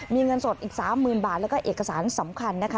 มีเงินสดอีก๓๐๐๐บาทแล้วก็เอกสารสำคัญนะคะ